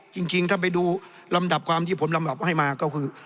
จริงถ้าไปดูลำดับความที่ผมลำดับให้มาก็คือ